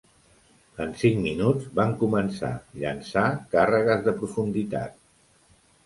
En cinc minuts van començar llençar càrregues de profunditat.